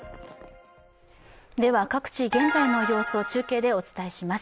各地、現在の様子を中継でお伝えします。